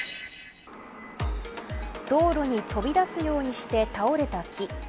道路に飛び出すようにして倒れた木。